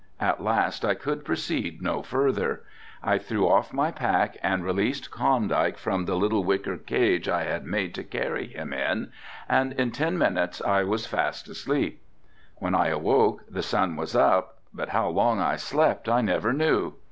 At last I could proceed no further. I threw off my pack and released Klondike from the little wicker cage I had made to carry him in, and in ten minutes I was fast asleep. When I awoke the sun was up, but how long I slept I never knew.